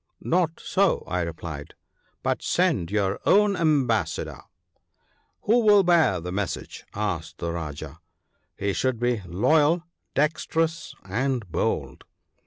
' Not so/ I replied ;' but send your own ambassador.' ' Who will bear the message ?' asked the Rajah. ' He should be loyal, dexterous, and bold.'